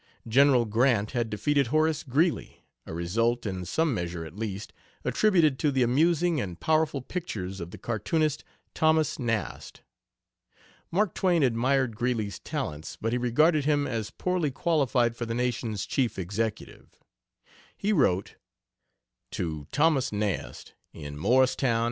General Grant had defeated Horace Greeley, a result, in some measure at least, attributed to the amusing and powerful pictures of the cartoonist, Thomas Nast. Mark Twain admired Greeley's talents, but he regarded him as poorly qualified for the nation's chief executive. He wrote: To Th. Nast, in Morristown, N.